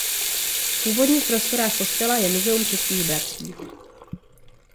V půdních prostorách kostela je Muzeum Českých bratří.